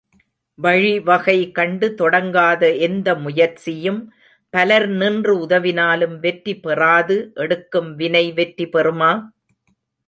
வழிவகை கண்டு தொடங்காத எந்த முயற்சியும் பலர் நின்று உதவினாலும் வெற்றி பெறாது எடுக்கும் வினை வெற்றி பெறுமா?